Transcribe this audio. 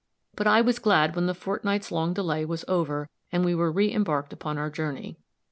But I was glad when the fortnight's long delay was over, and we were reëmbarked upon our journey.